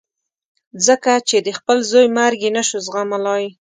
ځکه چې د خپل زوی مرګ یې نه شو زغملای.